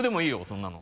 そんなの。